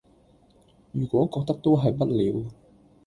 如果覺得都係不了